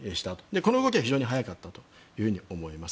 この動きは非常に早かったと思います。